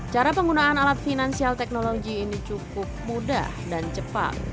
cara penggunaan alat finansial teknologi ini cukup mudah dan cepat